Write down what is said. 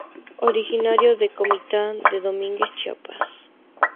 Originario de Comitán de Domínguez, Chiapas.